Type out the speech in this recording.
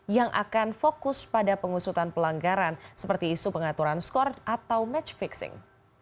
yang akan fokus pada pengusutan pelanggaran seperti isu pengaturan skor atau match fixing